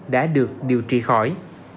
đã được điều trị khỏi